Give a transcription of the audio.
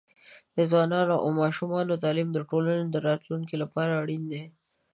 د ځوانانو او ماشومانو تعليم د ټولنې د راتلونکي لپاره اړین دی.